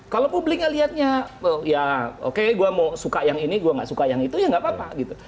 kalau publik melihatnya ya oke gue mau suka yang ini gue gak suka yang itu ya nggak apa apa gitu